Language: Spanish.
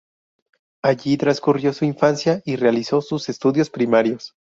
Allí transcurrió su infancia y realizó sus estudios primarios.